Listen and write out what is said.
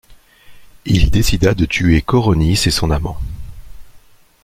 Il décida de tuer Coronis et son amant.